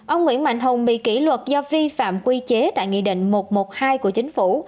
ông nguyễn mạnh hùng bị kỷ luật do vi phạm quy chế tại nghị định một trăm một mươi hai của chính phủ